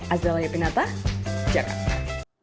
azdalaya pinata jakarta